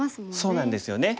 そうなんですよね。